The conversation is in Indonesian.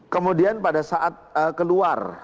kemudian pada saat keluar